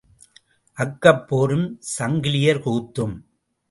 அக்கப் போரும் சக்கிலியர் கூத்தும்.